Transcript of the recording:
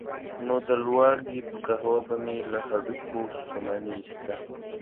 نو د لواړګي په قهوه به مې له هډوکیو ستوماني ایسته.